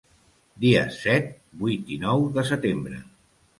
Dies set, vuit i nou de setembre.